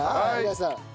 皆さん。